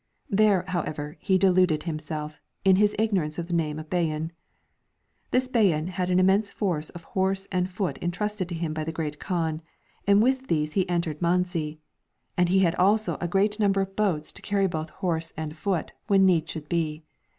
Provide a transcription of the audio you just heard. There, however, he deluded himself, in his ignorance of the name of Bayan.' This Bayan had an immense force of horse and foot entrusted to him by the Great Kaan, and with these he entered Manzi, and he had also a great number of boats to VOL. II, I I08 MARCO rOLO. Book II. carry both horse and foot when need should be.